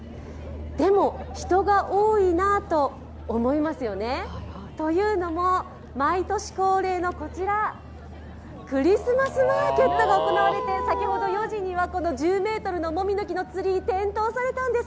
でも、人が多いなと思いますよね？というのも毎年恒例のこちらクリスマスマーケットが行われて先ほど４時には１０ｍのモミの木、点灯されたんです。